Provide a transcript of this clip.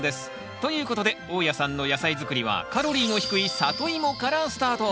ということで大家さんの野菜作りはカロリーの低いサトイモからスタート。